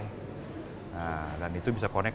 nah dan itu bisa connect